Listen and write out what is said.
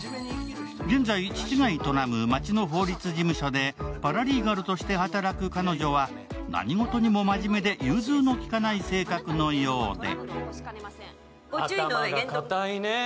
現在、父が営む街の法律事務所でパラリーガルとして働く彼女は何事にも真面目で融通の利かない性格のようで。